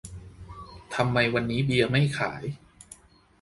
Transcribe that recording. ทำไมวันนี้เบียร์ไม่ขาย